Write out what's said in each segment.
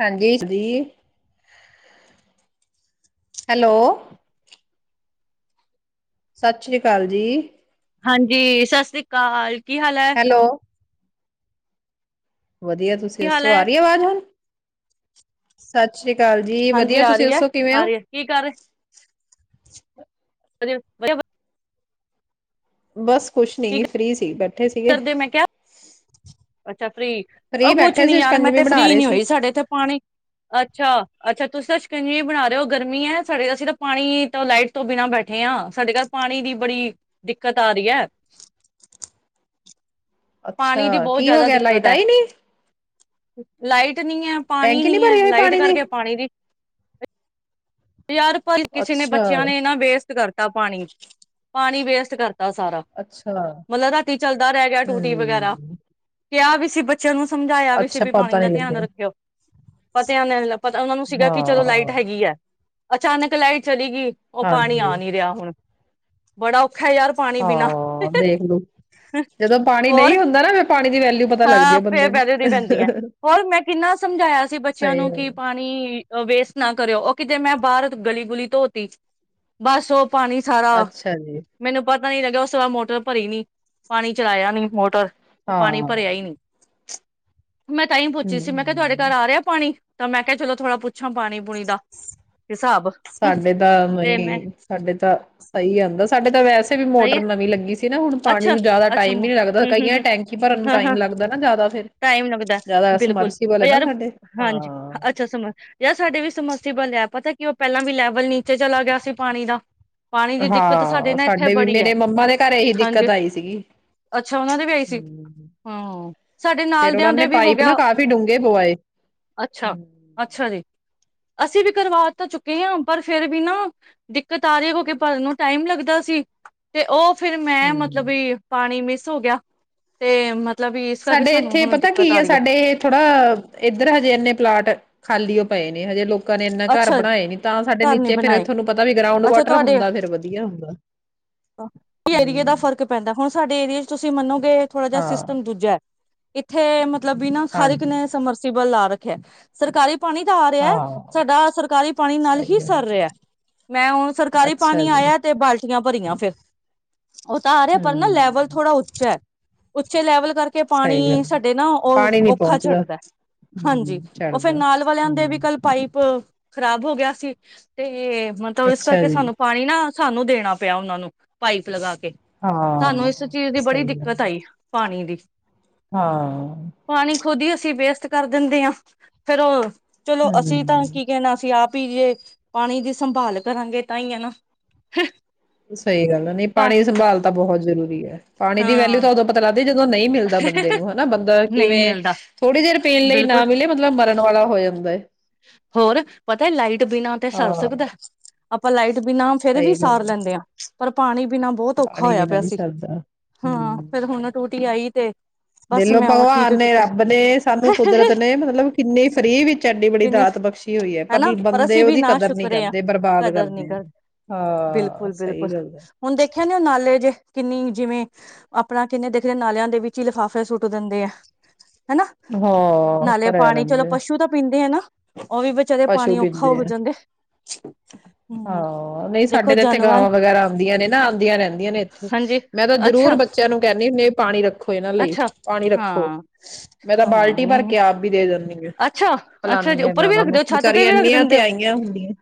ਹਾਂਜੀ ਦੀ ਹੈਲੋ, ਸਤਿ ਸ੍ਰੀ ਅਕਾਲ ਜੀ ਹਾਂਜੀ ਸਾਸਰੀ ਕਾਲ, ਹੈਲੋ, ਵਧੀਆ ਤੁਸੀਂ ਕੀ ਹਾਲ ਦੱਸੋ ਆ ਹੈ ਰਹੀ ਆਵਾਜ਼ ਹੁਣ? ਸੱਚ ਸਤਿ ਸ਼੍ਰੀ ਅਕਾਲ ਜੀ ਹਾਂਜੀ ਵਧੀਆ, ਆ ਤੁਸੀਂ ਰਹੀ ਹੈ ਦੱਸੋ ਕਿਵੇਂ ਆ ਹੋ? ਰਹੀ ਹੈ ਕੀ ਕਰ [unintelligible] [unintelligible] ਬਸ ਕੁਛ ਨਹੀਂ ਫ੍ਰੀ ਸੀ ਬੈਠੀ ਕੀ ਕਰਦੇ ਮੈਂ ਕਿਹਾ ਅੱਛਾ ਫਰੀ ਫ੍ਰਰੀ ਆਹ ਕੁਛ ਬੈਠੇ ਨੀ ਸੀ ਯਾਰ ਮੈਂ ਸ਼ਿਕੰਜਵੀ ਤੇ ਬਣਾ ਫ੍ਰੀ ਰਹੇ ਨੀ ਸੀ ਹੋਈ ਸਾਡੇ ਇਥੇ ਪਾਣੀ ਅੱਛਾ ਅੱਛਾ ਤੁਸੀ ਤਾਂ ਸ਼ਿਕੰਜਵੀਂ ਬਣਾ ਰਹੇ ਹੋ ਗਰਮੀ ਹੈ ਸਾਡੇ ਅਸੀਂ ਤਾਂ ਪਾਣੀ ਤਾਂ ਲਾਈਟ ਤੋਂ ਬਿਨਾਂ ਬੈਠੇ ਹਾਂ ਸਾਡੇ ਘਰ ਪਾਣੀ ਦੀ ਬੜੀ ਦਿੱਕਤ ਆ ਰਹੀ ਹੈ ਪਾਣੀ ਦੀ ਅੱਛਾ, ਬਹੁਤ ਕੀ ਹੋ ਜ਼ਿਆਦਾ ਗਿਆ ਦਿੱਕਤ ਲਾਈਟ ਹੈ ਆਈ ਨੀ? ਲਾਈਟ ਟ ਨੀ ਹੈ ਪਾਣੀ ਟੈਂਕੀ ਨੀ ਹੈ ਭਰੀ ਹੋਈ ਲਾਈਟ ਪਾਣੀ ਕਰਕੇ ਪਾਣੀ ਦੀ ਯਾਰ ਕਿਸੇ ਨੇ ਅੱਛਾ ਬੱਚਿਆਂ ਨੇ ਨਾ ਵੇਸਟ ਕਰਤਾ ਪਾਣੀ ਪਾਣੀ ਵੇਸਟ ਕਰ ਸਾਰਾ ਅੱਛਾ ਮਨ ਲੱਗਦਾ, ਰਾਤੀ ਚਲਦਾ ਰਹਿ ਗਿਆ ਟੂਟੀ ਵਗੈਰਾ। ਹਮ ਕਿਹਾ ਵੀ ਸੀ ਬੱਚਿਆਂ ਨੂੰ ਸਮਝਾਇਆ ਵੀ ਸੀ ਅੱਛਾ ਵੀ ਪਾਣੀ ਪਤਾ ਨੀ ਦਾ ਧਿਆਨ ਲੱਗਿਆ ਰੱਖਿਓ, ਪਰ ਉਹਨਾ ਨੂੰ ਸੀਗਾ ਕਿ ਚਲੋ ਲਾਈਟ ਹਾਂ ਹੈਗੀ ਹੈ। ਅਚਾਨਕ, ਲਾਈਟ ਚਲੇ ਗਈ। ਉਹ ਪਾਣੀ ਹਾਂਜੀ ਆ ਨੀ ਰਿਹਾ ਹੁਣ। ਬੜਾ ਔਖਾ ਯਾਰ ਪਾਣੀ ਬਿਨਾਂ ਹਾਂ ਦੇਖਲੋ ਜਦੋਂ ਪਾਣੀ ਨਹੀਂ ਹੋਰ ਹੁੰਦਾ ਨਾ ਫਿਰ ਪਾਣੀ ਦੀ ਵੈਲਿਊ ਪਤਾ ਲੱਗਦੀ ਹੈ ਹਾਂ ਬੰਦੇ ਫਿਰ ਨੂੰ [unintelligible] ਪੈਂਦੀ ਹੈ ਹੋਰ ਮੈਂ ਕਿੰਨਾ ਸਮਝਾਇਆ ਸੀ ਬੱਚਿਆਂ ਸਹੀ ਨੂੰ ਗੱਲ, ਕਿ ਪਾਣੀ ਵੇਸਟ ਨਾ ਕਰਿਓ ਉਹ ਕਿਤੇ ਮੈਂ ਬਹਾਰੋਂ ਗਲੀ-ਗੁਲੀ ਧੋਤੀ ਬਸ ਉਹ - ਪਾਣੀ, ਸਾਰਾ ਅੱਛਾ ਜੀ ਮੈਨੂੰ ਪਤਾ ਪਤਾ ਨੀ ਲੱਗਿਆ, ਉਸ ਬਾਦ ਮੋਟਰ ਭਰੀ ਨੀ ਪਾਣੀ ਚਲਾਇਆ ਨੀ ਮੋਟਰ ਉਹ ਹਾਂ ਪਾਣੀ ਭਰਿਆ ਹੀ ਨਹੀਂ ਮੈਂ ਤਾਂ ਹੀ ਪੁੱਛੀ ਰਹੀ ਸੀ, ਮੈਂ ਕਿਹਾ ਤੁਹਾਡੇ ਘਰ ਹੂੰ ਆ ਰਿਹਾ ਹੈ ਪਾਣੀ ਤਾਂ ਮੈਂ ਕਿਹਾ ਥੋੜਾ ਪੁੱਛ ਪੱਛਾ ਪਾਣੀ, ਪੂਣੀ ਦਾ। ਹਿਸਾਬ ਸਾਡੇ ਤਾਂ ਤੇ ਮੈਂ ਮਈ ਸਾਡੇ ਤਾਂ ਸਹੀ ਆਉਂਦਾ ਸਾਡੇ ਤਾਂ ਵੈਸੇ ਵੀ ਸਹੀ ਮੋਟਰ ਹੈ ਨਵੀ ਲੱਗੀ ਸੀ ਨਾ, ਹੁਣ ਪਾਣੀ ਅੱਛਾ ਨੂੰ ਜ਼ਿਆਦਾ ਅੱਛਾ ਟਾਈਮ ਮ ਵੀ ਨੀ ਲੱਗਦਾ। ਹਮ ਹਮ ਕਈਆਂ ਹਮ ਟੈਂਕੀ ਭਰਨ ਨੂੰ ਹਾਂ ਟਾਈਮ ਹਾਂ ਲੱਗਦਾ ਨਾ ਜ਼ਿਆਦਾ ਫਿਰ, ਟਾਈਮ ਲੱਗਦਾ ਜ਼ਿਆਦਾ ਬਿਲਕੁਲ ਸਮਰਸੀਬਲ ਉਹ ਹੈ ਨਾ ਯਾਰ ਸਾਡੇ ਹਾਂਜੀ ਹਾਂ। ਅੱਛਾ ਸਮਝ ਯਾਰ ਸਾਡੇ ਵੀ ਸਮਰਸੀਬਲ ਹੈ ਪਤਾ ਕਿ, ਉਹ ਪਹਿਲਾਂ ਵੀ ਲੈਵਲ ਨੀਚੇ ਚਲਾ ਗਿਆ ਸੀ ਪਾਣੀ ਦਾ। ਪਾਣੀ ਦੀ ਦਿੱਕਤ ਹਾਂ, ਨਾ ਇੱਥੇ ਸਾਡੇ ਵੀ, ਬੜੀ ਹੈ ਮੇਰੇ ਮੰਮਾ ਦੇ ਘਰ ਇਹੀ ਹਾਂਜੀ, ਦਿੱਕਤ ਆਈ ਸੀਗੀ ਅੱਛਾ ਉਹਨਾਂ ਦੇ ਵੀ ਆਈ ਸੀ, ਹੂੰ ਹਾਂ ਸਾਡੇ ਨਾਲ ਫੇਰ ਉਹਨਾਂ ਦਿਆਂ ਨੇ ਦੇ ਵੀ ਹੋ ਪਾਈਪ ਨਾ ਗਿਆ ਕਾਫ਼ੀ ਡੂੰਘੇ ਪਵਾਏ ਹੂੰ ਅੱਛਾ, ਅੱਛਾ ਜੀ। ਅਸੀਂ ਵੀ ਕਰਵਾ ਤਾਂ ਚੁੱਕੇ ਆ ਪਰ ਫੇਰ ਵੀ ਨਾ ਦਿੱਕਤ ਆ ਰਹੀ ਕਿਉਂਕਿ ਭਰਨ ਨੂੰ ਟਾਈਮ ਲੱਗਦਾ ਸੀ ਤੇ ਉਹ ਫੇਰ ਮੈਂ ਮਤਲਬ ਹੂੰ। ਵੀ ਪਾਣੀ ਮਿਸ ਸ ਹੋ ਗਿਆ ਤੇ ਮਤ ਸਾਡੇ ਇੱਥੇ ਪਤਾ ਕੀ ਆ ਸਾਡੇ ਇਹ ਥੋੜਾ ਇੱਧਰ ਹਜੇ ਇਨੇ ਪਲਾਟ ਖਾਲੀ ਪਏ ਨੇ ਹਜੇ ਲੋਕ ਅੱਛਾ ਘਰ ਨੀ ਫੇਰ ਬਣਾਏ ਤੁਹਾਨੂੰ ਪਤਾ ਵੀ ਗਰਾਉਂਡ ਅੱਛਾ ਵਾਟਰ ਤੁਹਾਡੇ ਹੁੰਦਾ ਫੇਰ ਵਧੀਆ ਹੁੰਦਾ ਏਰੀਏ ਦਾ ਹਮ ਫ਼ਰਕ ਪੈਂਦਾ ਹੁਣ ਸਾਡੇ ਏਰੀਏ ਚ ਤੁਸੀਂ ਮੰਨੋਗੇ ਥੋੜਾ ਜਿਹਾ ਹਾਂ ਸਿਸਟਮ ਦੂਜਾ ਹੈ ਇੱਥੇ ਮਤ ਮਤਲਬ ਬਿਨਾਂ ਹਰ ਇੱਕ ਹਾਂਜੀ ਨੇ ਸਮਰਸੀਬਲ ਲਾ ਰ ਸਰਕਾਰੀ ਪਾਣੀ ਤਾਂ ਆ ਹਾਂ ਰਿਹਾ ਸਰਕਾਰੀ ਪਾਣੀ ਨਾਲ ਹੀ ਸਹੀ ਹੈ ਸਰ ਰਿਹਾ ਮੈਂ ਹੁਣ ਸਰਕਾਰੀ ਅੱਛਾ ਪਾਣੀ ਜੀ ਆਇਆ ਤੇ ਬਾਲ [unintelligible] ੁੀਆਂ ਭਰੀਆਂ ਫੇਿਰ ਉਹ ਤਾਂ ਆ ਰਿਹਾ ਪਰ ਨਾ ਲੈਵਲ ਹਮ ਥੋੜਾ ਉੱਚਾ ਐ ਉੱਚੇ ਲੈਵਲ ਕਰਕੇ ਸਹੀ ਪਾਣੀ ਗੱਲ ਸਾਡੇ ਨਾ ਉਹ ਪਾਣੀ ਨੀ ਔਖਾ ਪਹੁੰਚਦਾ ਚੱੜਦਾ ਐ। ਹਮ ਹਾਂਜੀ, ਉਹ ਫੇਰ ਚੜਦਾ ਨਾਲ ਵਾਲਿਆਂ ਦੇ ਵੀ ਹਮ ਕੱਲ ਪਾਈਪ ਹਮ ਖ਼ਰਾਬ ਹੋ ਗਿਆ ਸੀ ਤੇ ਮਤਲਬ ਇਸ ਅੱਛਾ ਕਰਕੇ ਜੀ ਸਾਨੂੰ ਪਾਣੀ ਨਾ ਸਾਨੂੰ ਦੇਣਾ ਪਿਆ ਉਹਨਾਂ ਨੂੰ ਪਾਈਪ ਲਗਾ ਕੇ ਸਾਨੂੰ ਹਾਂ ਇਸ ਚੀਜ਼ ਦੀ ਬੜੀ ਸਹੀ ਗੱਲ ਦਿੱਕਤ ਆਈ ਪਾਣੀ ਦੀ। ਪਾਣੀ ਹਾਂ ਖੁਦ ਹੀ ਅਸੀਂ ਵੇਸਟ ਕਰ ਦਿੰਦੇ ਹਾਂ ਫੇਰ ਉਹ ਚਲੋ ਅਸੀਂ ਤਾਂ ਹਮ ਕੀ ਕਹਿਣਾ ਅਸੀਂ ਆਪ ਈ ਜੇ ਪਾਣੀ ਦੀ ਸੰਭਾਲ ਕਰਾਂਗੇ ਤਾਂ ਈ ਐ ਨਾ ਸਹੀ ਗੱਲ ਨਹੀਂ ਪਰ ਪਾਣੀ ਸੰਭਾਲ ਤਾਂ ਬਹੁਤ ਜ਼ [inaudible] ਪਾਣੀ ਦੀ ਵੈਲਿਊ ਹਾਂ ਤਾਂ ਉਦੋਂ ਪਤਾ ਲੱਗਦੀ ਜਦੋਂ ਨਹੀਂ ਮਿਲਦਾ ਬੰਦੇ ਨੂੰ ਹਨਾ ਬੰਦਾ ਨਹੀਂ ਕਿਵੇਂ ਮਿਲਦਾ ਥੋੜ੍ਹੀ ਦੇਰ ਪੀਣ ਲਈ ਬਿਲਕੁਲ ਨਾ ਮਿਲੇ ਮਤਲਬ ਮਰਨ ਵਾਲਾ ਹੋ ਜਾਂਦਾ ਏ। ਹੋਰ ਪਤਾ ਲਾਈਟ ਬਿਨਾਂ ਤੇ ਸਰ ਸਕਦਾ ਹਾਂ ਐ, ਆਪਾਂ ਲਾਈਟ ਤੇ ਬਿਨਾ ਫੇਰ ਵੀ ਸਹੀ ਗੱਲ ਸਾਰ ਹੈ ਲੈਂਦੇ ਆ ਪਰ ਪਾਣੀ ਬਿਨਾਂ ਬਹੁਤ ਔਖਾ ਪਾਣੀ ਹੋਇਆ ਬਿਨਾਂ ਪਿਆ ਨਹੀਂ ਸੀ। ਸਰਦਾ ਹਮ ਬਸ ਦੇਖਲੋ ਮੈਂ ਉਹ ਠੀਕ ਭਗਵਾਨ ਨੇ ਕੀਤਾ ਰੱਬ ਨੇ ਸਾਨੂੰ ਕੁਦਰਤ ਨੇ ਮਤਲਬ ਕਿੰਨੀ ਫਰੀ ਵਿੱਚ ਐਡੀ ਬੜੀ ਕਿੰਨੀ ਦਾਤ ਬਖਸ਼ੀ ਹੋਈ ਹੈ ਹਨਾ ਪਰ ਬੰਦੇ ਅਸੀਂ ਵੀ ਉਹਦੀ ਨਾ ਕਦਰ ਨਹੀਂ ਸ਼ੁਕਰੇ ਆਂ, ਕਰਦੇ ਬਰਬਾਦ ਕਦਰ ਨੀ ਆ। ਕਰਦੇ ਹਾਂ ਬਿਲਕੁਲ, ਬਿਲਕੁਲ ਸਹੀ ਗੱਲ ਹੁਣ ਦੇਖਿਆ ਨੀ ਉਹ ਨਾਲੇ ਜੇ ਕਿੰਨੀ ਜਿਵੇਂ ਆਪਣਾ ਕਹਿੰਨੇ ਦੇਖਦੇ ਨਾਲਿਆਂ ਦੇ ਵਿੱਚ ਹੀ ਲਿਫ਼ਾਫੇ ਸੁੱਟ ਦਿੰਦੇ ਐ। ਹਨਾ, ਹੈ ਹਾਂ ਨਾਲੇ ਪਾਣੀ ਚਲੋ ਪਸ਼ੂ ਤਾਂ ਪੀਂਦੇ ਹੈ ਨਾ। ਉਹ ਵੀ ਵਿਚਾਰੇ ਪਸੂ ਪਾਣੀ ਔਖਾ ਪੀਂਦੇ ਹੋ ਐ, ਜਾਂਦੇ ਹਮ ਹਾਂ ਨਹੀਂ ਦੇਖੋ ਸਾਡੇ ਤੇ ਇੱਥੇ ਜਾਨਵਰ ਗਾਵਾਂ ਵਗੈਰਾ ਆਂਦੀਆਂ ਨੇ ਨਾ, ਆਂਦੀਆਂ ਰਹਿੰਦੀਆਂ ਨੇ ਇੱਥੇ, ਹਾਂਜੀ ਮੈਂ ਤਾਂ ਜਰੂਰ ਅੱਛਾ ਬੱਚਿਆਂ ਨੂੰ ਕਹਿੰਦੀ ਨਹੀਂ ਪਾਣੀ ਰੱਖ ਇਹਨਾਂ ਲਈ ਅੱਛਾ ਪਾਣੀ ਰੱਖੋ। ਹਾਂ ਮੈਂ ਤਾਂ ਹਾਂ ਬਾਲਟੀ ਭਰ ਨਹੀਂ ਕੇ ਆਪ ਵੀ ਦੇ ਦਿਨੀ ਅੱਛਾ, ਅੱਛਾ ਜੀ ਉੱਪਰ ਵੀ ਰੱਖ ਦਿਓ ਛੱਤ ਤੇ ਬਚਾਰੀਆਂ ਵੀ ਇੰਨੀਆਂ ਤਿਹਾਈਆਂ ਹੁੰਦੀਆਂ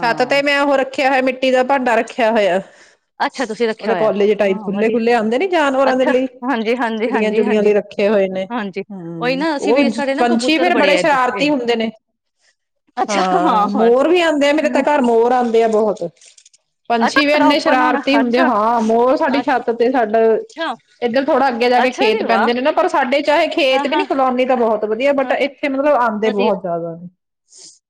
ਛੱਤ ਤੇ ਮੈਂ ਉਹ ਰੱਖਿਆ ਹੋਇਆ ਮਿੱ ਪਟੀ ਦਾ ਭਾਂਡਾ ਰੱਖਿਆ ਹੋਇਆ। ਅੱਛਾ ਤੁਸੀਂ ਰੱਖਿਆ ਹੋਇਆ, [unintelligible] ਟਾਈਪ ਹਾਂ ਖੁੱਲੇ ਵਧੀਆ ਖੁੱਲੇ ਆਂਦੇ ਨੀ ਜਾਨਵਰਾਂ ਦੇ ਅੱਛਾ ਲਈ, ਹਾਂਜੀ, ਹਾਂਜੀ, ਚਿੜੀਆਂ ਹਾਂਜੀ, ਚੁੜੀਆਂ ਲਈ ਹਾਂਜੀ, ਰੱਖੇ ਹੋਏ ਨੇ, ਹਾਂਜੀ। ਉਹੀ ਹੂੰ, ਨਾ ਅਸੀਂ ਉਹ ਵੀ ਸਾਡੇ ਨਾ ਪੰਛੀ ਕਬੂਤਰ ਫੇਰ ਬੜੇ ਆ ਇੱਧਰ ਇਹ ਸ਼ਰਾਰਤੀ ਹੁੰਦੇ ਨੇ। ਹਾਂ ਮੋਰ ਵੀ ਆਂਦੇ ਆ ਮੇਰੇ ਤਾਂ ਹਾਂ, ਘਰ ਮੋਰ ਆਂਦੇ ਆ ਬਹੁਤ। [unintelligible] ਅੱਛਾ ਪੰਛੀ ਵੀ ਤੁਹਾਡਾ ਇੰਨੇ ਓਪਨ ਹੋਣਾ ਸ਼ਰਾਰਤੀ ਹੁੰਦੇ ਅੱਛਾ, ਹਾਂ ਮੋਰ ਸਾਡੀ ਛੱਤ ਤੇ ਸਾ ਅੱਛਾ, [unintelligible] ਇਧਰ ਥੋੜਾ ਅੱਗੇ ਜਾ ਕੇ ਅੱਛਾ ਖੇਤ ਜੀ ਵਾਹ ਪੈਂਦੇ ਨੇ ਪਰ ਸਾਡੇ ਚਾਹੇ ਖੇਤ ਹਾਂ, ਵੀ ਨੀ ਹਾਂ, ਕਲੋਨੀ ਤਾਂ ਬਹੁਤ ਵਧੀਆ ਬਟ ਹਾਂ ਇਥੇ ਮਤਲਬ ਆਉਂਦੇ ਵਧੀਆ ਬਹੁਤ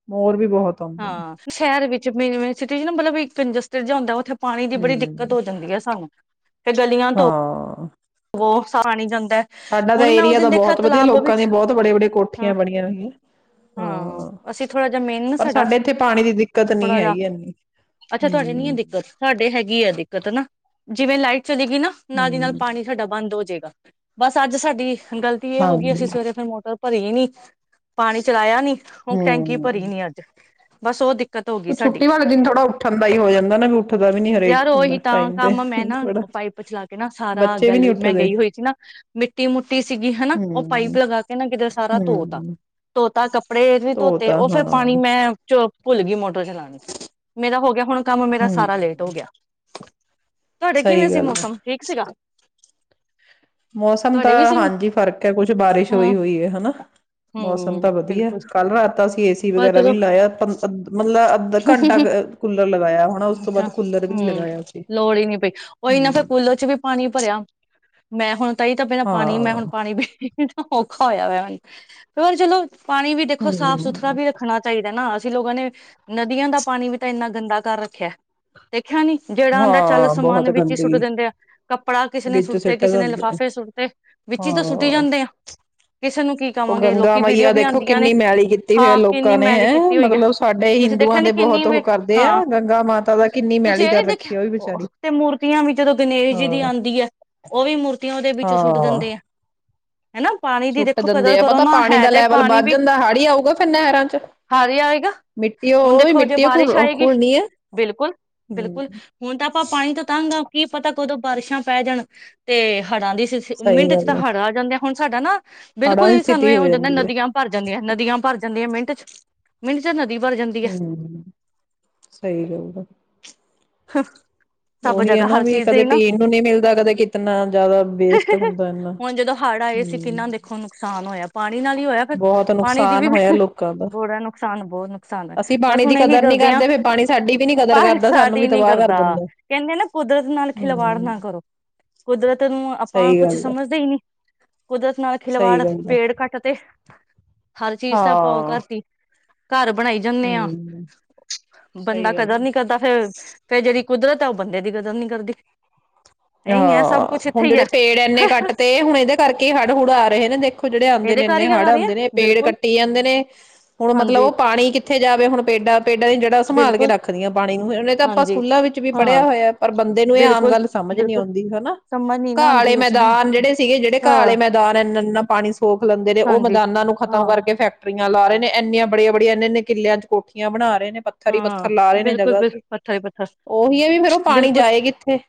ਮੋਰ ਵੀ ਬਹੁਤ ਆਉਂਦੇ ਨੇ ਹਾਂ, ਸ਼ਹਿਰ ਵਿੱਚ ਮੇਨ ਮੇਨ ਸਿਟੀ ਚ ਮਤਲਬ ਇੱਕ ਤੇ ਜਾਂਦਾ ਓਥੇ ਪਾਣੀ ਦੀ ਬੜੀ ਹਮ ਦਿੱਕਤ ਹੋ ਜਾਂਦੀ ਆ ਸਾਨੂੰ। ਹਾਂ। ਉਹ [unintelligible] [unintelligible] ਸਾਡਾ ਤਾਂ ਹੁਣ ਮੈਂ ਉਸ ਏਰੀਆ ਦਿਨ ਤਾਂ ਦੇਖਾ ਬਹੁਤ ਵਧੀਆ ਤਲਾਬ ਲੋਕਾਂ ਵਿੱਚ ਦੀਆਂ ਬਹੁਤ ਬੜੇ ਬੜੇ ਹੂੰ, ਕੋਠੀਆਂ ਬਣੀਆਂ ਹੋਈਆਂ ਹਾਂ ਅਸੀਂ ਥੋੜਾ ਜਾ ਮੇਨ ਨਾ ਪਰ ਸਾਡਾ ਸਾਡੇ ਇੱਥੇ ਪਾਣੀ ਦੀ ਦਿੱਕਤ ਨਹੀਂ ਥੋੜਾ ਜਾ, ਹੈਗੀ ਇੰਨੀ ਅੱਛਾ ਤੁਹਾਡੇ ਨੀ ਆ ਹਮ ਦਿੱਕਤ ਸਾਡੇ ਹੈਗੀ ਆ ਦਿੱਕਤ ਨਾ। ਜਿਵੇਂ ਲਾਈਟ ਚਲੀ ਗਈ ਨਾ ਨਾਲ ਦੀ ਨਾਲ ਹਮ ਪਾਣੀ ਬੰਦ ਹੋਜੇਗਾ ਬਸ ਅੱਜ ਸਾਡੀ ਗਲਤੀ ਇਹ ਹੋ ਗਈ ਹਾਂਜੀ ਅਸੀਂ ਸਵੇਰੇ ਫਿਰ ਮੋਟਰ [unintelligible] ਨੀ। ਪਾਣੀ ਚਲਾਇਆ ਨੀ, ਉਹ ਟੈਂਕੀ ਹਮ ਭਰੀ ਨੀ ਅੱਜ ਬਸ ਉਹਖ ਉਹ ਛੁੱਟੀ ਵਾਲੇ ਦਿਨ ਥੋੜਾ ਉੱਠਣ ਦਾ ਹੀ ਹੋ ਜਾਂਦਾ ਨਾ ਵੀ ਉੱਠਦਾ ਵੀ ਨੀ ਹਰੇਕ ਯਾਰ ਹੁੰਦਾ ਉਹੀ ਤਾਂ ਟਾਈਮ ਤੇ ਕੰਮ ਥੋੜਾ ਬੱਚੇ। ਵੀ ਨੀ ਕਲ ਮੈਂ ਉੱਠਦੇ ਗਈ ਹੋਈ ਸੀ ਨਾ ਮਿੱਟੀ ਮੁਟੀ ਸੀਗੀ ਹਣਾ ਉਹ ਹੂੰ ਪਾਈਪ ਲਗਾ ਕੇ ਨਾ ਕਿਧਰ ਸਾਰਾ ਧੋਤਾ, ਹੂੰ ਧੋਤਾ ਕੱਪੜੇ ਵੀ ਧੋਤੇ ਤਾਂ ਉਹ ਫੇਰ ਪਾਣੀ ਹਾਂ ਮੈਂ ਚ ਭੁੱਲ ਗਈ ਮੋਟਰ ਚਲਾਣੀ ਮੇਰਾ ਹੋ ਗਿਆ। ਹੁਣ ਕੰਮ ਮੇਰਾ ਹੂੰ ਸਾਰਾ ਲੇਟ ਹੋ ਗਿਆ। ਤੁਹਾਡੇ ਕਿਵੇਂ ਸਹੀ ਸੀ, ਗੱਲ ਹੈ ਮੌਸਮ ਠੀਕ ਸੀਗਾ। ਮੌਸਮ ਤੁਹਾਡੇ ਵੀ ਤਾਂ ਸੀ ਹਾਂਜੀ ਫ਼ਰਕ ਹੈ ਕੁਛ ਬਾਰਿਸ਼ ਹੋਈ ਹੂੰ ਹੋਈ ਹੈ। ਹਨਾ, ਮੌਸਮ ਹੂੰ ਤਾਂ ਵਧੀਆ ਬਿਲਕੁਲ ਕੱਲ੍ਹ ਰਾਤ ਅਸੀਂ ਏਸੀ ਪਰ ਵਗੈਰਾ ਵੀ ਚਲੋ ਨਹੀਂ ਲਾਇਆ ਮਤਲਬ ਅੱਧਾ ਘੰਟਾ ਕੂਲਰ ਲਗਾਇਆ ਹੋੜਾ ਉਸ ਤੋਂ ਅੱਛਾ ਬਾਅਦ ਕੂਲਰ ਵੀ ਨੀ ਹੂੰ ਲਗਾਇਆ ਅਸੀਂ। ਲੋੜ ਹੀ ਨੀ ਪਈ ਉਹੀ ਨਾ ਫਿਰ ਕੂਲਰ ਚ ਵੀ ਪਾਣੀ ਭਰਿਆ ਮੈਂ ਹੁਣ, ਤਾਂ ਹੀ ਤਾਂ ਪਹਿਲਾ ਪਾਣੀ ਮੈਂ ਹੁਣ ਹਾਂ ਪਾਣੀ ਵੀ ਔਖਾ ਹੋਇਆ ਐ। ਹੋਰ ਚਲੋ। ਪਾਣੀ ਵੀ ਦੇਖੋ, ਸਾਫ਼- ਸੁਥਰਾ ਹੂੰ ਵੀ ਰੱਖਣਾ ਚਾਹੀਦਾ। ਨਾ ਅਸੀਂ ਲੋਕਾਂ ਨੇ ਨਦੀਆਂ ਦਾ ਪਾਣੀ ਵੀ ਤਾਂ ਇੰਨਾ ਗੰਦਾ ਕਰ ਰੱਖਿਆ ਤੇ। ਖਿਆ ਨੀ ਜਿਹੜਾ ਆਂਦਾ ਚੱਲ ਹਾਂ ਬਹੁਤ ਸਮਾਨ ਵਿੱਚ ਹੀ ਸੁੱਟ ਗੰਦਗੀ ਦਿੰਦੇ ਆ ਕੱ ਕੱਪੜਾ ਕਿਸੇ ਨੇ ਵਿੱਚ ਸੁੱਟਤੇ ਸਿੱਟ ਕਿਸੇ ਨੇ ਦਿੰਦੇ ਆ ਲਿਫਾਫੇ ਸੁੱਟ ਤੇ ਵਿੱਚ ਹੀ ਤਾਂ ਸੁੱਟੀ ਹਾਂ ਜਾਂਦੇ ਆ। ਕਿਸੇ ਨੂੰ ਕੀ ਉਹ ਕਵਾਂਗੇ ਗੰਗਾ ਲੋਕੀ ਵੀਡੀਓ ਮਈਆ ਵੀ ਦੇਖੋ, ਆਉਂਦੀਆਂ ਨੇ ਕਿੰਨੀ ਮੈਲੀ ਕੀਤੀ ਹੋਈ ਐ ਹਾਂ ਲੋਕਾਂ ਕਿੰਨੀ ਨੇ ਮੈਲੀ ਹੈਂ, ਕੀਤੀ ਹੋਈ ਹੈ ਮਤਲਬ ਸਾਡੇ ਤੁਸੀਂ ਦੇਖਿਆ ਹਿੰਦੂਆਂ ਨੀ ਦੇ ਕਿੰਨੀ ਬਹੁਤ ਵੀ ਉਹ ਕਰਦੇ ਆ ਹਾਂ ਗੰਗਾ ਮਾਤਾ ਦਾ ਕਿੰਨੀ ਤੁਸੀਂ ਮੈਲੀ ਇਹ ਨੀ ਕਰ ਦੇਖਿਆ ਰੱਖੀ ਐ, ਉਹ ਵੀ ਬਚਾਰੀ ਤੇ ਮੂਰਤੀਆਂ ਵੀ ਜਦੋਂ ਗਣੇਸ਼ ਜੀ ਹਾਂ। ਦੀ ਹੈ, ਉਹ ਵੀ ਮੂਰਤੀਆਂ ਉਹਦੇ ਵਿੱਚ ਸੁੱਟ ਹਾਂ ਦਿੰਦੇ ਆ। ਹਣਾ, ਪਾਣੀ ਦੀ ਸੁੱਟ ਦੇਖੋ ਕਦਰ ਦਿੰਦੇ ਆ ਕਰੋ ਪਤਾ ਨਾ ਪਾਣੀ ਹੈ ਦਾ ਤੇ ਲੈਵਲ ਪਾਣੀ ਵੱਧ ਵੀ ਜਾਂਦਾ ਹਾੜੀ ਆਊਗਾ ਫਿਰ ਨਹਿਰਾਂ ਚ ਹਾਰੀ ਆਏਗਾ ਮਿੱਟੀ ਹੁਣ ਉਹ ਵੀ ਦੇਖੋ ਜੇ ਮਿੱਟੀ ਬਾਰਿਸ਼ ਘੁਲ ਆਏਗੀ ਘੁਲਣੀ ਹੈ ਬਿਲਕੁਲ, ਹਮ ਬਿਲਕੁਲ ਹੁਣ ਤਾਂ ਆਪਾਂ ਪਾਣੀ ਤਾਂ ਤੰਗਾ ਆ। ਕੀ ਪਤਾ ਕਦੋਂ ਬਾਰਿਸ਼ਾਂ ਪੈ ਜਾਣ ਤੇ, ਹੜ੍ਹਾਂ ਦੀ ਸਹੀ ਮਿੰਟ ਚ ਗੱਲ ਤਾਂ ਹੈ ਹੜ ਆ ਜਾਂਦਾ। ਹੁਣ ਸਾਡਾ ਨਾ, ਬਿਲਕੁਲ ਹੜਾਂ ਦੀ ਹੀ, ਸਾਨੂੰ ਸਥਿਤੀ ਇਹ ਹੋ ਜਾਂਦਾ ਹੈ ਜਾਂਦੀ ਨਦੀਆਂ ਭਰ ਜਾਂਦੀਆਂ ਨਦੀਆਂ ਭਰ ਜਾਂਦੀ ਆ ਮਿੰਟ ਚ ਮਿੰਟ ਚ ਨਦੀ ਭਰ ਜਾਂਦੀ ਹੈ ਹੂ ਸਹੀ ਗੱਲ ਹੈ। ਹਮ, ਉਹੀ ਐ ਨਾ ਵੀ ਕਦੇ ਪੀਣ ਨੂੰ ਨੀ ਮਿਲਦਾ। ਕਦੇ ਕਿਤਨਾ ਜਿਆਦਾ ਵੇਸਟ ਹੁੰਦਾ ਏਨਾ ਹੁਣ ਜਦੋਂ ਹੜ੍ਹ ਆਏ ਸੀ ਹਮ। ਕਿੰਨਾ ਦੇਖੋ ਨੁਕਸਾਨ ਹੋਇਆ ਪਾਣੀ ਨਾਲ ਹੀ ਹੋਇਆ, ਫਿਰ ਬਹੁਤ ਪਾਣੀ ਦੀ ਨੁਕਸਾਨ ਵੀ ਹੋਇਆ ਲੋਕਾਂ ਦਾ ਬੜਾ ਨੁਕਸਾਨ, ਬਹੁਤ ਨੁਕਸਾਨ ਹੈ ਅਸੀਂ ਬਸ ਪਾਣੀ ਦੀ ਹੁਣ ਇਹੀ ਕਦਰ ਨੀ ਡਰਦੇ ਹਾਂ ਕਰਦੇ ਫਿਰ ਪਾਣੀ ਸਾਡੀ ਵੀ ਨੀ ਕਦਰ ਪਰ ਕਰਦਾ ਸਾਨੂੰ ਵੀ ਸਾਡੀ ਨੀ ਤਬਾਹ ਕਰ ਕਰਦਾ, ਦਿੰਦਾ। ਕਹਿੰਦੇ ਨਾ ਕੁਦਰਤ ਨਾਲ ਖਿਲਵਾੜ ਹੂੰ ਨਾ ਕਰੋ। ਕੁਦਰਤ ਨੂੰ ਆਪਾਂ ਸਹੀ ਕੁਛ ਗੱਲ ਆ ਸਮਝਦੇ, ਹੀ ਨੀ ਕੁਦਰਤ ਨਾਲ ਸਹੀ ਖਿਲਵਾੜ ਗੱਲ ਆ। ਪੇੜ ਕੱਟ ਤੇ। ਹ ਹਰ ਚੀਜ਼ ਤਾਂ ਪਾਓ ਹਾਂ। ਘਰ ਦੀ। ਘਰ ਬਣਾਈ ਜਾਂਨੇ ਆਂ, ਹੂੰ ਬੰਦਾ ਸਹੀ ਗੱਲ ਕਦਰ ਆ। ਨੀ ਕਰਦਾ ਫੇਰ, ਫਿਰ ਜਿਹੜੀ ਕੁਦਰਤ ਆ ਉਹ ਬੰਦੇ ਦੀ ਕਦਰ ਨੀ ਕਰਦੀ। ਇਹੀ ਹੈ ਸਭ ਹਾਂ ਕੁਛ ਇੱਥੇ ਹੁਣ ਹੀ ਹੈ ਜਿਹੜੇ ਪੇੜ ਇੰਨੇ ਕੱਟ ਤੇ ਹੁਣ ਇਹਦੇ ਕਰਕੇ ਹੜ ਹੁੜ ਆ ਰਹੇ ਨੇ ਦੇਖੋ ਜਿਹੜੇ ਆਉਂਦੇ ਇਹਦੇ ਨੇ ਘਰ ਇੰਨੇ ਹੀ ਹੜ ਕਰ ਰਿਹਾ ਆਉਂਦੇ ਨੇ ਪੇੜ ਬਿਲਕੁਲ ਕੱਟੀ ਜਾਂਦੇ ਨੇ ਹੁਣ ਮਤਲਬ ਹਾਂਜੀ ਉਹ ਪਾਣੀ ਕਿੱਥੇ ਜਾਵੇ, ਹੁਣ ਪੇਡਾਂ ਪੇਡਾਂ ਦੀ ਜਿਹੜਾ ਸੰਭਾਲ ਕੇ ਬਿਲਕੁਲ ਰੱਖਦੀਆਂ ਪਾਣੀ। ਹੁਨੇ ਏ ਤਾਂ ਆਪਾਂ ਹਾਂਜੀ ਸਕੂਲਾਂ ਵਿੱਚ ਵੀ ਪੜ੍ਹਿਆ ਹਾਂ ਹੋਇਆ, ਪਰ ਬੰਦੇ ਨੂੰ ਇਹ ਆਮ ਬਿਲਕੁਲ ਗੱਲ ਸਮਝ ਨੀ ਬਿਲਕੁਲ ਆਉਂਦੀ ਹੈਨਾ, ਸਮਝ ਨੀ ਘਾ ਨਾ ਆਲੇ ਆਉਂਦੀ ਉਸਨੂੰ ਮੈਦਾਨ ਜਿਹੜੇ ਸੀਗੇ ਜਿਹੜੇ ਘਾ ਆਲੇ ਹਾਂ ਮੈਦਾਨ ਇੰਨਾ ਇੰਨਾ ਪਾਣੀ ਸੋਖ ਲੈਂਦੇ ਨੇ, ਉਹ ਹਾਂਜੀ ਮੈਦਾਨਾਂ ਨੂੰ ਖਤਮ ਹਾਂ ਕਰਕੇ ਫੈਕਟਰੀਆਂ ਲਾ ਰਹੇ ਨੇ ਇੰਨੀਆਂ ਬੜੀਆਂ ਬੜੀਆਂ ਇਹਨਾਂ ਨੇ ਕਿੱਲਿਆਂ ਚ ਕੋਠੀਆਂ ਬਣਾ ਰ ਨੇ ਪੱਥਰ ਹੀ ਪੱਥਰ ਹਾਂ ਲਾ ਰਹੇ ਨੇ ਬਿਲਕੁਲ ਜਗ੍ਹਾ ਬਿਲ ਤੇ, ਪੱਥਰ ਹੀ ਪੱਥਰ ਉਹੀ ਹੈ ਵੀ ਫੇਿਰ ਉਹ ਪਾਣੀ ਬਿਲਕੁਲ ਜਾਏ ਕੀਥੇ।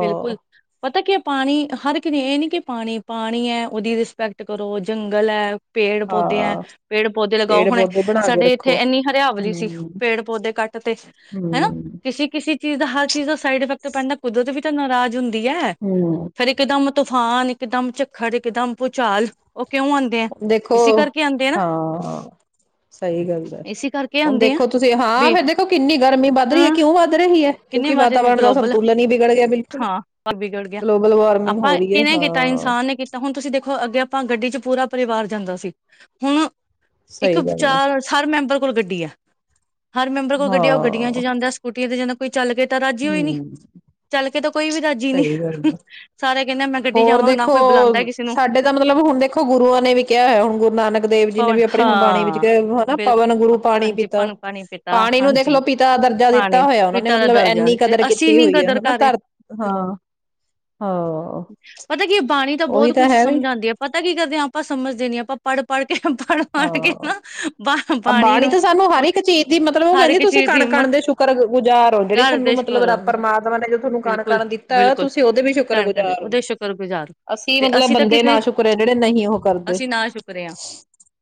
ਬਿਲਕੁਲ ਪਤਾ ਕੀ ਹੈ ਪਾਣੀ ਹਰ ਇੱਕ ਨੇ ਨੀ ਕਿ ਪਾਣੀ ਪਾਣੀ ਹੈ ਉਹਦੀ ਰਿਸਪੈਕਟ ਕਰੋ ਜੰਗਲ ਹੈ ਪੇੜ ਪੌਦੇ ਐ ਹਾਂ ਪੇੜ ਪੌਦੇ ਲਗਾਓ, ਪੇੜ ਹੁਣ ਪੌਦੇ ਬਣਾ ਕੇ ਸਾਡੇ ਇੱਥੇ ਰੱਖੋ ਇੰਨੀ ਹਰਿਆਵਲੀ ਸੀ। ਹਮ ਪੇੜ ਪੌਦੇ ਕੱਟ ਤੇ, ਹੈਨਾ, ਹਮ ਕਿਸੀ ਕਿਸੀ ਚੀਜ਼ ਦਾ, ਹਰ ਚੀਜ਼ ਦਾ ਸਾਈਡ ਇਫੈਕਟ ਤੂੰ ਬੈਂਦਾ, ਕਦੋ ਵੀ ਤੁ ਨਰਾਜ ਹੁੰਦਾ। ਦੀਆ ਹੈ, ਹਮ ਫਿਰ ਇੱਕਦਮ। ਤੂਫਾਨ ਇਕਦਮ ਝੱਖੜ ਇਕਦਮ ਭੂਚਾਲ ਕਿਉਂ ਆਉਂਦੇ ਆ ਹੁਣ ਦੇਖੋ, ਇਸੀ ਕਰਕੇ ਆਉਂਦੇ ਆ ਨਾ ਹਾਂ ਸਹੀ ਗੱਲ ਹੈ, ਇਸੀ ਕਰਕੇ ਹੁਣ ਆਉਂਦੇ ਆ ਦੇਖੋ ਤੁਸੀਂ ਹਾਂ ਵੀ ਫੇਰ ਦੇਖੋ ਕਿੰਨੀ ਗਰਮੀ ਵੱਧ ਰਹੀ ਹਾਂ ਐ ਕਿਉਂ ਵੱਧ ਰ ਕਿੰਨੇ ਕਿਉਂਕਿ ਵੱਜ ਵਾਤਾਵਰਨ ਦਾ ਗਲੋਬਲ ਸੰਤੁਲਨ ਹੀ ਬਗੜ ਗਿਆ। ਬਿਲਕੁਲ ਹਾਂ, ਪਰ ਬੀਗੜ ਗਿਆ, ਗਲੋਬਲ ਵਾਰਮਿੰਗ ਆਪਾਂ ਹੋ ਰਹੀ ਹੈ ਕਿਹਨੇ ਕੀਤਾ, ਹਾਂ ਇਨਸਾਨ ਨੇ ਕੀਤਾ, ਹੁਣ ਤੁਸੀਂ ਦੇਖੋ ਅੱਗੇ ਆਪਾਂ ਗੱਡੀ ਚ ਪੂਰਾ ਪਰਿਵਾਰ ਜਾਂਦਾ ਸੀ ਹੁਣ ਇੱਕ ਸਹੀ ਗੱਲ ਹੈ ਚਾਰ ਸਾਰੇ ਮੈਂਬਰ ਕੋਲ ਗੱਡੀ ਹੈ। ਹਰ ਮੈਂਬਰ ਕੋਲ ਗੱਡੀਿਆ ਉਹ ਗੱਡੀਆਂ ਚ ਹਾਂ ਜਾਂਦਾ ਸਕੂਟੀਆਂ ਤੇ ਜਾਂਦਾ ਕੋਈ ਚੱਲ ਕੇ ਤਾਂ ਰਾਜੀ ਹੋਈ ਨੀ। ਹਮ ਚੱਲ ਕੇ ਤਾਂ ਕੋਈ ਵੀ ਰਾਜੀ ਨੀ ਸਹੀ ਗੱਲ ਹੈ ਸਾਰੇ ਕਹਿੰਦੇ ਮੈਂ ਗੱਡੀ ਹੋਰ ਜਾਵਾਂ ਨਾ ਦੇਖੋ, ਕੋਈ ਬੁਲਾਉਂਦਾ ਕਿਸੇ ਨੂੰ ਸਾਡੇ ਤਾਂ ਮਤਲਬ ਹੁਣ ਦੇਖੋ ਗੁਰੂਆਂ ਨੇ ਵੀ ਕਿਹਾ ਹੋਇਆ ਹੁਣ ਗੁਰੂ ਨਾਨਕ ਦੇਵ ਜੀ ਨੇ ਪਵਨ ਵੀ ਆਪਣੀ ਹੁਣ ਬਾਣੀ ਵਿੱਚ ਹਾਂ ਹਨਾ ਪਵਨ ਬਿਲਕੁਲ ਗੁਰੂ ਪਾਣੀ ਹਾਂਜੀ ਆਪਾਂ ਪੀਤਾ ਨੂੰ ਪਾਣੀ ਪਿਤਾ ਪਾਣੀ ਨੂੰ ਹਾਂਜੀ ਦੇਖਲੋ ਪਿਤਾ ਦਰਜਾ ਪਾਣੀ ਦਿੱਤਾ ਹੋਇਆ, ਉਹਨਾਂ ਨੇ ਪਿਤਾ ਦਾ ਮਤਲਬ ਦਰਜਾ ਐੰਨੀ ਤੇ ਕਦਰ ਅਸੀਂ ਕੀਤੀ ਨੀ ਹੋਈ ਐ। ਕਦਰ ਨਾ ਕਰ ਰਹੇ ਧਰ ਹਾਂ ਹਾਂ, ਪਤਾ ਕੀ ਬਾਣੀ ਤਾਂ ਉਹੀ ਬਹੁਤ ਕੁੱਛ ਹੈ ਵੀ ਸਮਝਾਉਂਦੀ ਆ ਪਤਾ ਕੀ ਕਰਦੇ ਹ ਆਪਾਂ ਆਪਾਂ ਸਮਝਦੇ ਨੀ ਆਪਾ ਪੜ ਪੜ। ਹਾਂ, ਬਾਣੀ ਤਾਂ ਸਾਨੂੰ ਹਰ ਇੱਕ ਚੀਜ਼ ਦੀ ਮਤਲਬ ਉਹ ਹਰ ਕਹਿੰਦੀ ਇੱਕ ਤੁਸੀਂ ਚੀਜ਼ ਦੀ ਕਣ ਕਣ ਹਿੰਮਤ ਦੇ ਸ਼ੁਕਰ ਗੁਜ਼ਾਰ ਹੋ ਜਿਹੜੀ ਘਰ ਤੁਹਾਨੂੰ ਦੇ ਮਤਲਬ ਸ਼ੁਕਰ ਰਬ ਪਰਮਾਤਮਾ ਨੇ ਤੁਹਾਨੂੰ ਕਣ ਬਿਲਕੁਲ ਕਣ ਦਿੱਤਾ, ਬਿਲਕੁਲ ਤੁਸੀਂ ਉਹਦੇ ਵੀ ਕਣ ਕਣ ਸ਼ੁਕਰਗੁਜ਼ਾਰ ਹੋ ਉਹਦੇ ਸ਼ੁਕਰ ਗੁਜ਼ਾਰ ਅਸੀਂ ਤੇ ਮਤਲਬ ਤਾਂ ਬੰਦੇ ਨਾ ਕਿਸੇ ਸ਼ੁਕਰੇ ਜਿਹੜੇ ਨਹੀਂ ਉਹ ਕਰਦੇ। ਅਸੀਂ ਨਾ ਸ਼ੁਕਰੇ ਹਾਂ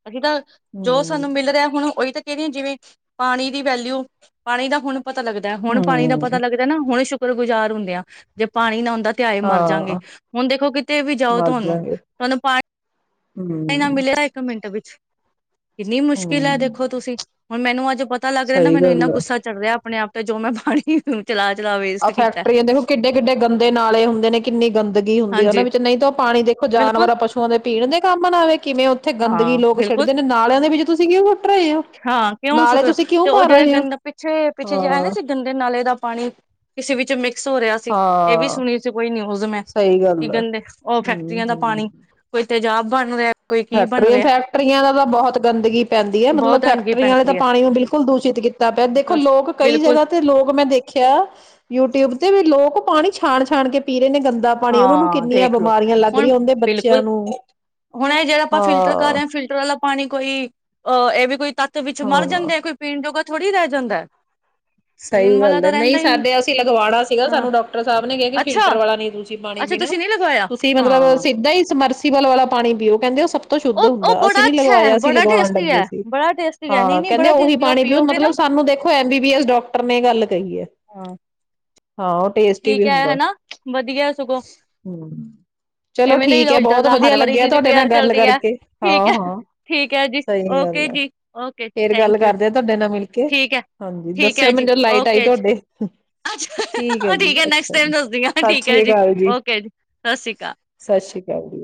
ਅਸੀਂ ਤਾਂ ਜੋ ਹਮ ਸਾਨੂੰ ਮਿਲ ਰਿਹਾ ਹੁਣ ਉਹੀ ਤੇ [unintelligible] ਜਿਵੇਂ ਪਾਣੀ ਦੀ ਵੈਲਿਊ, ਪਾਣੀ ਦਾ ਹੁਣ ਪਤਾ ਲੱਗਦਾ, ਹੁਣ ਪਾਣੀ ਦਾ ਪਤਾ ਹਮ ਲੱਗਦਾ ਨਾ ਹੁਣ ਸ਼ੁ ਗੁਜ਼ਾਰ ਹੁੰਨੇ ਆਂ ਜੇ ਪਾਣੀ ਨਾ ਹੁੰ ਦਾ ਤਿਆਏ ਮਰ ਜਾਂਗੇ ਹਾਂ ਹੁਣ ਦੇਖੋ ਕਿਤੇ ਵੀ ਜਾਓ ਮਰ ਤੁਹਾਨੂੰ, ਜਾਗੇ ਤੁਹਾਨੂੰ ਪਾ ਨਹੀਂ ਹਮ ਮਿਲਿਆ ਇੱਕ ਮਿੰਟ ਵੀ। ਕਿੰਨੀ ਮੁਸ਼ਕਿਲ ਹੈ, ਹਮ ਦੇਖੋ ਤੁਸੀਂ ਹੁਣ ਮੈਨੂੰ ਅੱਜ ਪਤਾ ਲੱਗ ਰਿਹਾ ਨਾ, ਸਹੀ ਮੈਨੂੰ ਇੰਨਾ ਗੱਲ ਆ ਗੁੱਸਾ ਚੜ੍ਹ ਰਿਹਾ ਆਪਣੇ ਆਪ ਤੇ ਜੋ ਮੈਂ ਪਾਣੀ ਚਲਾ-ਚਲਾ ਆਹ ਵੇਸਟ ਕੀਤਾ ਫੈਕਟਰੀਆਂ ਦੇਖ ਕਿੱਡੇ ਕਿੱਡੇ ਗੰਦੇ ਨਾਲੇ ਹੁੰਦੇ ਨੇ ਕਿੰਨੀ ਗੰ ਗਦਗੀ ਹੁੰਦੀ ਹੈ ਉਹਨਾਂ ਹਾਂਜੀ ਵਿੱਚ ਨਹੀਂ ਤਾਂ ਉਹ ਪਾਣੀ ਦੇਖੋ ਬਿਲਕੁਲ ਜਾਨਵਰਾਂ ਪਸੂਆਂ ਦੇ ਪੀਣ ਦੇ ਕੰਮ ਨਾ ਵੇ ਕਿਵੇਂ ਉੱਥੇ ਗੰਦਗੀ ਹਾਂ ਲੋਕ ਬਿਲਕੁਲ ਸੜਦੇ ਨੇ ਨਾਲਿਆਂ ਦੇ ਵੀ ਤੁਸੀ [unintelligible] ਹਾਂ ਕਿਉਂ ਸੁਟ ਤੇ ਉਹ ਭਰ ਜਿਹੜੇ ਰਹੇ ਹੋ ਗੰਦੇ ਪਿੱਛੇ, ਪਿੱਛੇ ਜੇ ਆਏ ਨੀ ਹਾਂ ਸੀ ਗੰਦੇ ਨਾਲੇ ਦਾ ਪਾਣੀ ਕਿਸੇ ਵਿੱਚ ਮਿਕ ਸੋ ਰਿਹਾ ਸੀ, ਇਹ ਵੀ ਹਾਂ ਸੁਣੀ ਸੀ ਕੋਈ ਨਿਊਜ਼ ਮੈਂ, ਸਹੀ ਕੀ ਗੱਲ ਆ ਗੰਦੇ ਉਹ ਹਮ ਫੈਕਟਰੀਆਂ ਦਾ ਹਮ ਪਾਣੀ ਕੋਈ ਤੇ ਜਾਾਬ ਬਣ [unintelligible] ਬਣ ਫੈਕਟਰੀਆਂ ਰਿਹਾ ਫੈਕਟਰੀਆਂ ਦਾ ਤਾਂ ਬਹੁਤ ਗੰਦਗੀ ਪੈਂਦੀ ਮਤਲਬ ਬਹੁਤ ਗੰਦਗੀ ਫੈਕਟਰੀਆਂ ਵਾਲੇ ਤਾਂ ਪੈਂਦੀ ਪਾਣੀ ਨੂੰ ਬਿਲਕੁਲ ਦੂਸ਼ਿਤ ਕੀਤਾ ਪਿਆ ਦੇਖੋ ਹੈ ਲੋਕ ਕਈ ਬਿਲਕੁਲ ਜਗ੍ਹਾ ਤੇ ਲੋਕ ਮੈਂ ਦੇਖਿਆ ਯੂਟਿਊਬ ਤੇ ਵੀ ਲੋਕ ਪਾਣੀ ਛਾਣ ਛਾਣ ਕੇ [unintelligible] ਨੇ ਗੰਦਾ ਪਾਣੀ, ਉਹਨਾ ਨੂੰ ਹਾਂ ਕਿੰਨੀਆਂ ਦੇਖ ਲੋ ਬਿਮਾਰੀਆਂ ਲੱਗ ਹੁਣ ਰਹੀਆਂ ਉਹਦੇ ਬੱਚਿਆਂ ਬਿਲਕੁਲ ਨੂੰ। ਹੁਣ ਜਿਹੜਾ ਆਪਾਂ ਫਿਲਟਰ ਕਰ ਰਹੇ ਹਾਂ ਫਿਲਟਰ ਵਾਲਾ ਪਾਣੀ ਕੋਈ ਅਹ ਇਹ ਕੋਈ ਤੱਤ ਵਿੱਚ ਮਰ ਹਾਂ ਜਾਂਦੇ ਕੋਈ ਪੀਣ ਜੋਗਾ ਥੋੜੀ ਰਹਿ ਜਾਂਦਾ ਐ। ਸਹੀ ਗੱਲ ਹੈ, ਨਹੀਂ ਸਾਡੇ ਅਸੀਂ ਲਗਵਾਉਣਾ ਸੀਗਾ ਹਾਂ ਸਾਨੂੰ ਡਾਕਟਰ ਸਾਹਿਬ ਨੇ ਕਿਹਾ ਕਿ ਅੱਛਾ ਫਿਲਟਰ ਵਾਲਾ ਨਹੀਂ ਤੁਸੀਂ ਤੁਸੀ ਪਾਣੀ ਅੱਛਾ ਪੀਣਾ, ਤੁਸੀਂ ਨਹੀਂ ਲਗਵਾਇਆ ਤੁਸੀਂ ਮਤਲਬ ਹਾਂ ਸਿੱਧਾ ਹੀ ਸਮਰਸੀਬਲ ਵਾਲਾ ਪਾਣੀ ਪੀਓ। ਕਹਿੰਦੇ ਤੋਂ ਸ਼ੁੱਧ ਉਹ ਉਹ ਹੁੰਦਾ, ਅਸੀਂ ਬੜਾ ਨੀ ਅੱਛਾ ਹੈ ਲਗਵਾਇਆ ਅਸੀ ਬੜਾ ਲਗਵਾਉਣ ਟੇਸਟੀ ਲੱਗੇ ਹੈ ਸੀ, ਬੜਾ ਟੇਸਟੀ ਹੈ ਨਹੀਂ ਹਾਂ ਨਹੀਂ ਕਹਿੰਦੇ ਬੜਾ ਉਹੀ ਟੇਸਟੀ ਉਹ ਪਾਣੀ ਪਿਓ ਪੀਓਗੇ ਨਾ ਮਤਲਬ ਸਾਨੂੰ ਦੇਖੋ M B B S doctor ਐ ਗੱਲ ਕਹੀ ਹੈ। ਹਾਂ ਹਾਂ ਉਹ ਟੇਸਟੀ ਵੀ ਠੀਕ ਹੈ ਹੁੰਦਾ। ਹਨਾ ਹਮ, ਚਲੋ ਇਵੇਂ ਦਾ ਈ ਠੀਕ ਹੈ ਹੋਈ ਬਹੁਤ ਦਾ ਹਰ ਵਧੀਆ ਵਾਰੀ ਲੱਗਿਆ ਵੀ ਤੁਹਾਡੇ ਨਾਲ ਰਿਪੇਅਰ ਗੱਲ ਚੱਲਦੀ ਐ ਕਰਕੇ ਹਾਂ ਠੀਕ ਐ ਹਾਂ ਠੀਕ ਐ ਜੀ ਸਹੀ ਗੱਲ ਓਕੇ ਹੈ ਜੀ ਓਕੇ ਜੀ ਫੇਰ ਗੱਲ ਥੈਂਕ ਯੂ ਕਰਦੇ ਜੀ ਆ ਤੁਹਾਡੇ ਨਾਲ ਮਿਲ ਕੇ ਠੀਕ ਐ ਹਾਂਜੀ ਠੀਕ ਦੱਸਿਓ ਮੈਨੂੰ ਜੀ ਜਦੋਂ ਲਾਈਟ ਆਈ ਓਕੇ ਜੀ ਤੁਹਾਡੇ ਅੱਛ ਹੈ ਜੀ ਠੀਕ ਐ ਨੈਕਸਟ ਅੱਛਾ ਟੈਮ ਜੀ ਦੱਸਦੀ ਆ ਸਤਿ ਠੀ ਠੀਕ ਐ ਸ੍ਰੀ ਜੀ ਓਕੇ ਜੀ ਸਾਸਰੀ ਕਾ ਸਾਸਰੀ ਕਾਲ ਜੀ,